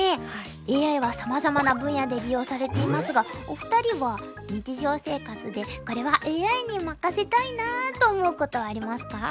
ＡＩはさまざまな分野で利用されていますがお二人は日常生活で「これはＡＩに任せたいな」と思うことありますか？